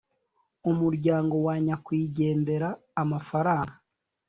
umuryango wa nyakwigendera amafaranga